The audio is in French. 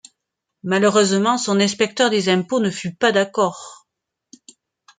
Malheureusement son inspecteur des impôts ne fut pas d'accord.